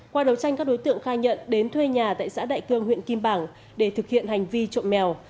qua đấu tranh các đối tượng khai nhận đến thuê nhà tại xã đại cương huyện kim bảng để thực hiện hành vi trộm mèo